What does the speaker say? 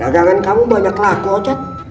gagangan kamu banyak laku ocet